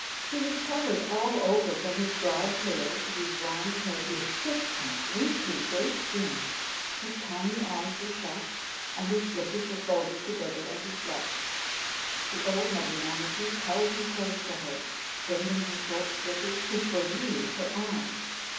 He was covered all over from his broad tail to his round head with thick and wrinkly gray skin. His tiny eyes were shut, and his flippers were folded together as he slept. The old mother manatee held him close to her, bending her short flippers, which were really her arms.